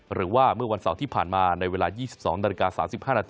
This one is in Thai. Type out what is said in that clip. หรือว่าเมื่อวันเสาร์ที่ผ่านมาในเวลา๒๒๓๕น